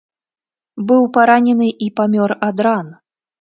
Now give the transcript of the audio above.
Быў паранены і памёр ад ран.